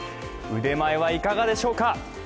腕前はいかがでしょうか。